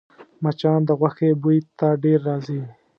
مچان د غوښې بوی ته ډېر راځي